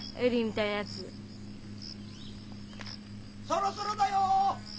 ・そろそろだよ。